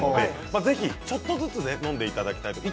ぜひちょっとずつ飲んでいただきたいと思います。